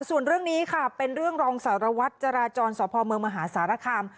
ส่วนเรื่องนี้ค่ะเป็นเรื่องรองสารวัตรจราจรสพเมืองมหาสารคาม